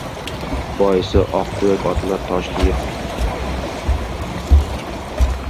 Boisi, oqtuyoq otlar toshli yerda chopolmaydi. Toshlar tuyog‘ini urib tashlaydi.